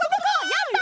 やった！